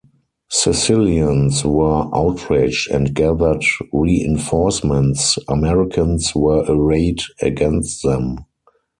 Sicilians were outraged and gathered reinforcements; Americans were arrayed against them.